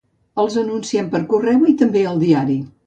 Els anunciem per correu i també al diari.